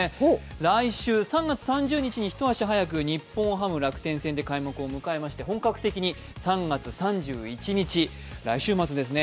来週３月３０日に一足早く日本ハム×楽天戦で開幕を迎えまして本格的に３月３１日、来週末ですね、